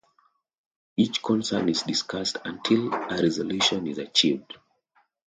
Each concern is discussed until a resolution is achieved.